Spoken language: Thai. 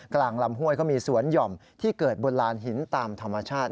กลางลำห้วยก็มีสวนหย่อมที่เกิดบนลานหินตามธรรมชาติ